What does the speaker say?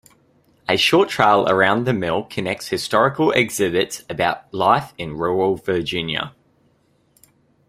A short trail around the mill connects historical exhibits about life in rural Virginia.